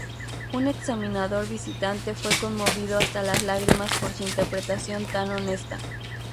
Un examinador visitante fue conmovido hasta las lágrimas por su interpretación tan honesta".